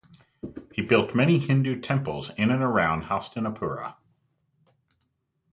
He built many Hindu temples in and around Hastinapura.